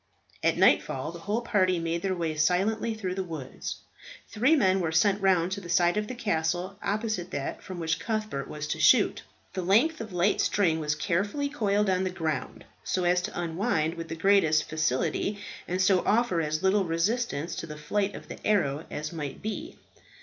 At nightfall the whole party made their way silently through the woods. Three men were sent round to the side of the castle opposite that from which Cuthbert was to shoot. The length of light string was carefully coiled on the ground, so as to unwind with the greatest facility, and so offer as little resistance to the flight of the arrow as might be.